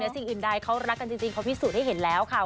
สิ่งอื่นใดเขารักกันจริงเขาพิสูจน์ให้เห็นแล้วค่ะ